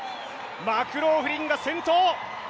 マクローフリンが先頭。